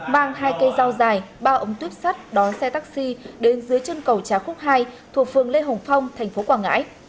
mang hai cây dao dài ba ống tuyếp sắt đón xe taxi đến dưới chân cầu trái khúc hai thuộc phường lê hồng phong tp quảng ngãi